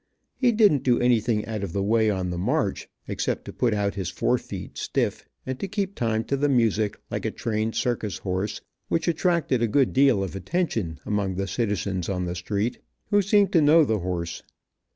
He didn't do anything out of the way on the march, except to put out his fore feet stiff, and keep time to the music, like a trained circus horse, which attracted a good deal of attention among the citizens on the street, who seemed to know the horse.